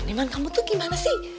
wah diman kamu tuh gimana sih